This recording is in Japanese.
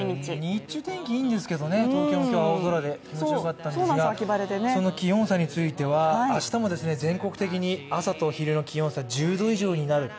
日中天気いいんですけどね、東京も今日は青空で気持ちよかったんですがその気温差については、明日も全国的に朝と昼の気温差、１０度以上になる。